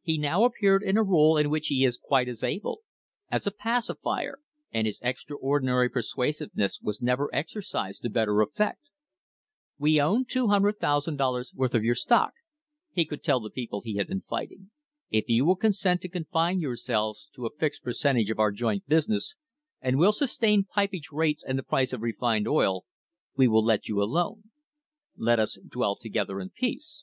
He now appeared in a role in which he is quite as able as a pacifier, and his ex traordinary persuasiveness was never exercised to better effect. "We own $200,000 worth of your stock," he could tell the people he had been fighting. "If you will consent to confine yourselves to a fixed percentage of our joint business, and will sustain pipage rates and the price of refined oil, we will let you alone. Let us dwell together in peace."